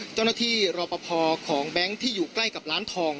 เจ้าหน้าที่รอปภของแบ๊งค์ที่อยู่ใกล้กับร้านทอง